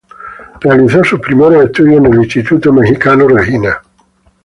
Realizó sus primeros estudios en el Instituto Mexicano Regina.